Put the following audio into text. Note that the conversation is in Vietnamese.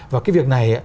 và cái việc này